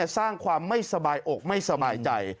สร้างความไม่สบายอกไม่สบายใจ